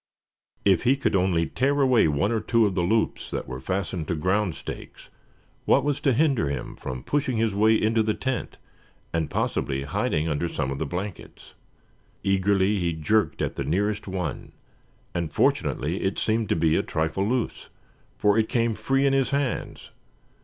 If he could only tear away one or two of the loops that were fastened to ground stakes, what was to hinder him from pushing his way into the tent, and possibly hiding under some of the blankets? Eagerly he jerked at the nearest one; and fortunately it seemed to be a trifle loose, for it came free in his hands.